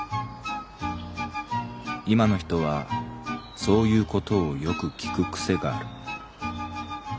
いまの人はそういうことをよく聞く癖がある。